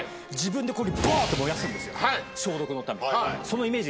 消毒のために。